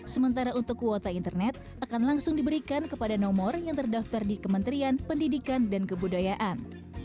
sementara untuk kuota internet akan langsung diberikan kepada nomor yang terdaftar di kementerian pendidikan dan kebudayaan